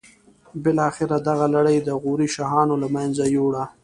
بالاخره دغه لړۍ د غوري شاهانو له منځه یوړه.